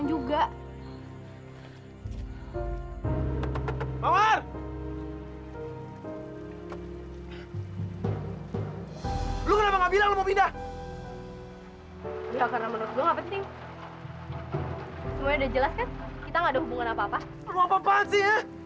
gue gak bakal ngelepasin sampe semuanya jelas buat gue